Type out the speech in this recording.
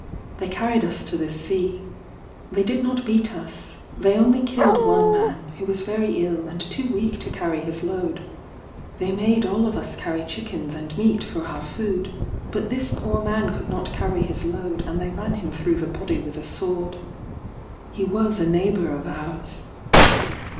They carried us to the sea. They did not beat us: they only killed one man, who was very ill and too weak to carry his load: they made all of us carry chickens and meat for our food; but this poor man could not carry his load, and they ran him through the body with a sword. He was a neighbour of ours.